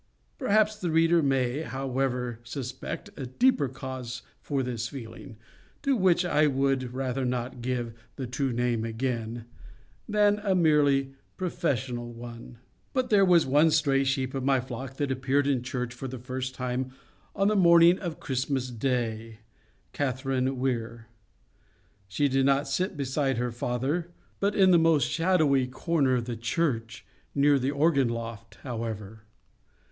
Perhaps the reader may, however, suspect a deeper cause for this feeling (to which I would rather not give the true name again) than a merely professional one. But there was one stray sheep of my flock that appeared in church for the first time on the morning of Christmas Day—Catherine Weir. She did not sit beside her father, but in the most shadowy corner of the church—near the organ loft, however.